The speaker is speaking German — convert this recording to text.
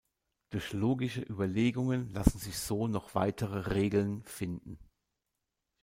Durch logische Überlegungen lassen sich so noch weitere Regeln finden.